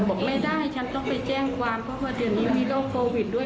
บอกไม่ได้ฉันต้องไปแจ้งความเพราะว่าเดี๋ยวนี้มีโรคโควิดด้วย